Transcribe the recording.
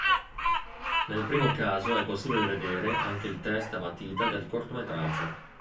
Nel primo caso è possibile vedere anche il test a matita del cortometraggio.